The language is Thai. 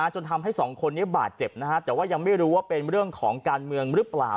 จนทำให้สองคนนี้บาดเจ็บนะฮะแต่ว่ายังไม่รู้ว่าเป็นเรื่องของการเมืองหรือเปล่า